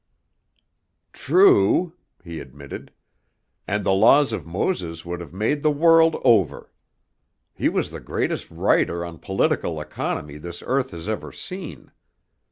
"True," he admitted, "and the laws of Moses would have made the world over. He was the greatest writer on political economy this earth has ever seen.